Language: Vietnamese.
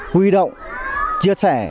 huy động chia sẻ